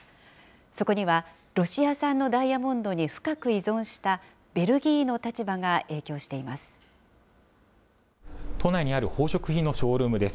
そこにはロシア産のダイヤモンドに深く依存したベルギーの立場が影響しています。